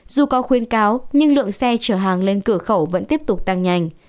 dù có khuyên cáo nhưng lượng xe chở hàng lên cửa khẩu vẫn tiếp tục tăng nhanh